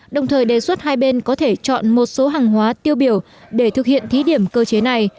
đồng thời đề xuất hai bên có thể chọn một số hàng hóa tiêu biểu để thực hiện thí điểm cơ chế này